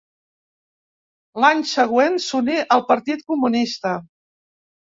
L'any següent s'uní al Partit Comunista.